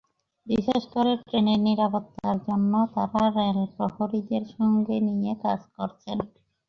বিশেষ করে ট্রেনের নিরাপত্তার জন্য তাঁরা রেল প্রহরীদের সঙ্গে নিয়ে কাজ করছেন।